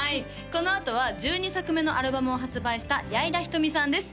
このあとは１２作目のアルバムを発売した矢井田瞳さんです